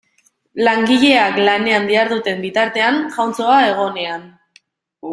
Langileak lanean diharduten bitartean jauntxoa egonean.